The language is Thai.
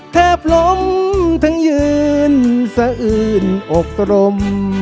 แทบล้มทั้งยืนสะอืนอกตรม